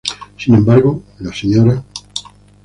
Sin embargo, la Sra.